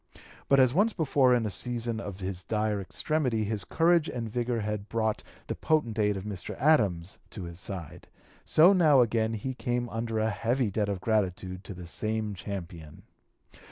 But as once before in a season of his dire extremity his courage and vigor had brought the potent aid of Mr. Adams to his side, so now again he came under a heavy debt of (p. 239) gratitude to the same champion.